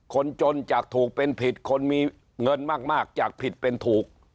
คนจนจากถูกเป็นผิดคนมีเงินมากจากผิดเป็นถูก